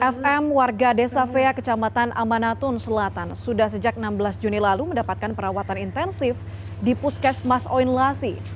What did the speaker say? fm warga desa vea kecamatan amanatun selatan sudah sejak enam belas juni lalu mendapatkan perawatan intensif di puskesmas oin lasi